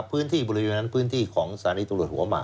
พื้นที่บริเวณนั้นพื้นที่ของสถานีตำรวจหัวหมาก